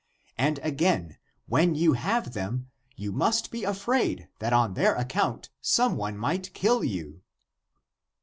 And again, when you have them, you must be afraid that on their ac count some one might kill you.